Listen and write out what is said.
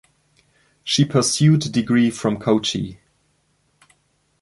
She pursued degree from Kochi.